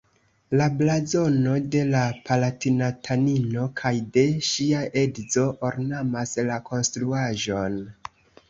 La blazono de la palatinatanino kaj de ŝia edzo ornamas la konstruaĵon.